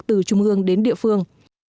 từ trung ương đến địa phương